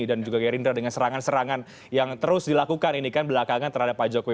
dan juga gerindra dengan serangan serangan yang terus dilakukan ini kan belakangan terhadap pak jokowi